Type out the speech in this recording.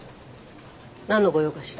何の御用かしら？